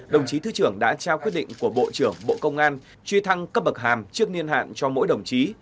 đồng chí thứ trưởng đã trao quyết định của bộ trưởng bộ công an truy thăng cấp bậc hàm trước niên hạn cho mỗi đồng chí